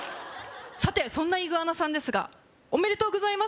さてそんなイグアナさんですがおめでとうございます